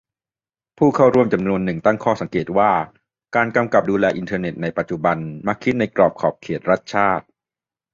ผู้เข้าร่วมจำนวนหนึ่งตั้งข้อสังเกตว่า การกำกับดูแลอินเทอร์เน็ตในปัจจุบันมักคิดในกรอบขอบเขตรัฐชาติ